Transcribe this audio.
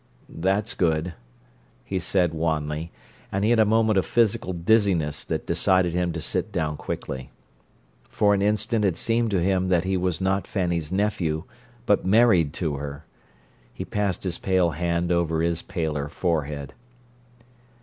"That's good," he said wanly, and he had a moment of physical dizziness that decided him to sit down quickly. For an instant it seemed to him that he was not Fanny's nephew, but married to her. He passed his pale hand over his paler forehead.